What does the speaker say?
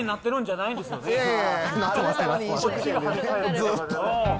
ずーっと。